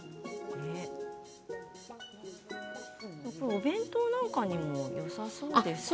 お弁当なんかにもよさそうですね。